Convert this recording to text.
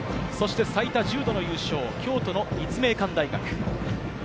最多１０度の優勝、京都の立命館大学。